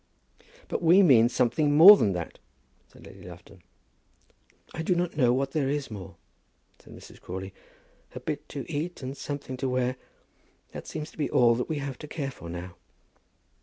"But we mean something more than that," said Lady Lufton. "I do not know what there is more," said Mrs. Crawley. "A bit to eat and something to wear; that seems to be all that we have to care for now."